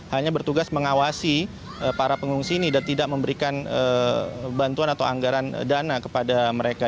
hanya bertugas mengawasi para pengungsi ini dan tidak memberikan bantuan atau anggaran dana kepada mereka